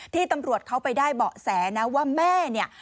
ตำรวจเขาไปได้เบาะแสนะว่าแม่เนี่ย